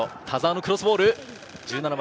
田澤のクロスボール。